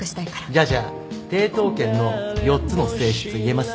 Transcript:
じゃあじゃあ抵当権の４つの性質言えます？